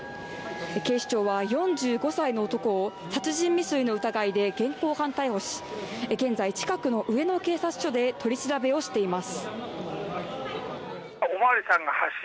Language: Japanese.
警視庁は４５歳の男を殺人未遂の疑いで現行犯逮捕し、現在、近くの上野警察署で取り調べをしています。